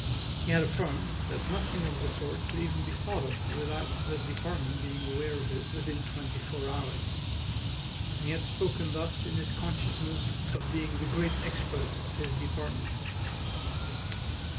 He had affirmed that nothing of the sort could even be thought of without the department being aware of it within twenty four hours; and he had spoken thus in his consciousness of being the great expert of his department.